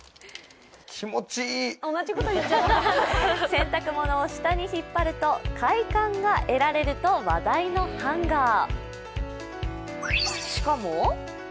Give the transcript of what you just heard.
洗濯物を下に引っ張ると快感がえられると話題のハンガー。